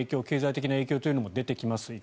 経済的な影響というのも出てきます。